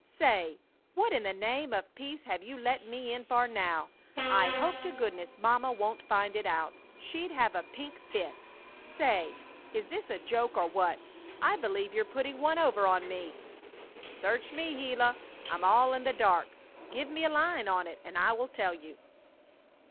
Say, what in the name of peace have you let me in for now? I hope to goodness mamma won't find it out. She'd have a pink fit! Say! is this a joke, or what? I believe you're putting one over on me!" "Search me, Gila! I'm all in the dark! Give me a line on it and I'll tell you."